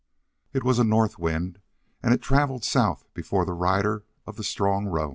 It was a north wind, and traveled south before the rider of the strong roan.